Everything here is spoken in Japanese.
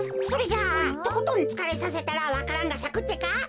それじゃあとことんつかれさせたらわか蘭がさくってか？